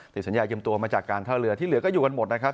ติดสัญญายืมตัวมาจากการท่าเรือที่เหลือก็อยู่กันหมดนะครับ